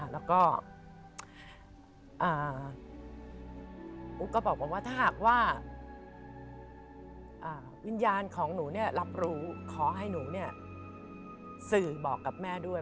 แล้วก็อุ๊กก็บอกว่าถ้าหากว่าวิญญาณของหนูรับรู้ขอให้หนูสื่อบอกกับแม่ด้วย